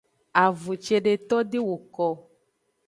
Avun cedeto de woko o.